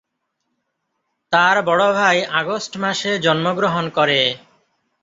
তার বড় ভাই আগস্ট মাসে জন্মগ্রহণ করে।